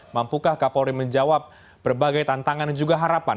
mampukah kapolri menjawab berbagai tantangan dan juga harapan